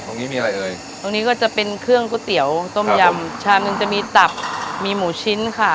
ตรงนี้มีอะไรเอ่ยตรงนี้ก็จะเป็นเครื่องก๋วยเตี๋ยวต้มยำชามหนึ่งจะมีตับมีหมูชิ้นค่ะ